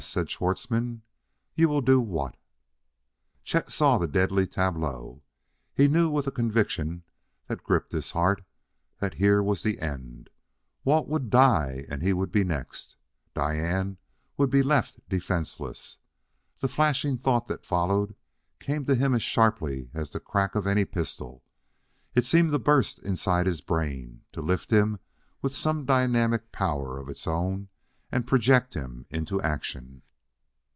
said Schwartzmann, "You will do what?" Chet saw the deadly tableau. He knew with a conviction that gripped his heart that here was the end. Walt would die and he would be next. Diane would be left defenseless.... The flashing thought that followed came to him as sharply as the crack of any pistol. It seemed to burst inside his brain, to lift him with some dynamic power of its own and project him into action.